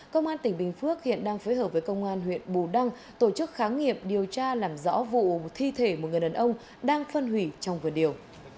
công an tỉnh bình phước hiện đang phối hợp với công an huyện bù đăng tổ chức kháng nghiệp điều tra làm rõ vụ thi thể một người đàn ông đang phân hủy trong vườn điều